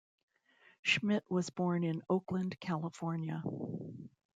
Schmit was born in Oakland, California.